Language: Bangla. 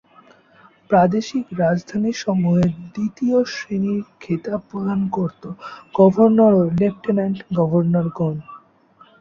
প্রাদেশিক রাজধানী সমূহে দ্বিতীয় শ্রেণির খেতাব প্রদান করতো গভর্নর ও লেফটেন্যান্ট গভর্নরগণ।